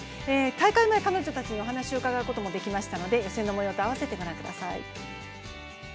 大会前、彼女たちにお話を伺うこともできましたので予選の模様とあわせて御覧ください。